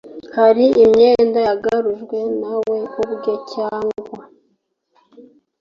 hari imyenda yagarujwe nawe ubwe cyangwa